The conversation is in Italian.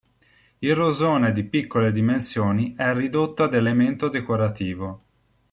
Il rosone di piccole dimensioni è ridotto ad elemento decorativo.